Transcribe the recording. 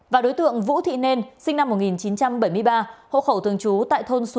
và đối tượng vũ thị nên sinh năm một nghìn chín trăm bảy mươi ba hộ khẩu thường trú tại thôn sáu